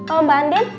oh mbak andin